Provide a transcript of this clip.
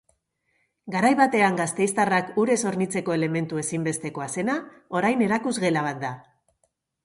Garai batean gasteiztarrak urez hornitzeko elementu ezinbestekoa zena, orain erakusgela bat da.